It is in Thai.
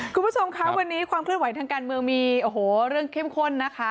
คุณผู้ชมคะวันนี้ความเคลื่อนไหวทางการเมืองมีโอ้โหเรื่องเข้มข้นนะคะ